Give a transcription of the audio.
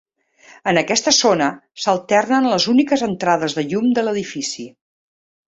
En aquesta zona s'alternen les úniques entrades de llum de l'edifici.